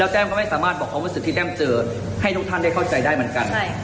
อุ๊ยร้องไม่หยุดเลยค่ะ